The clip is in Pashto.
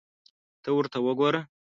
ته ورته وګوره !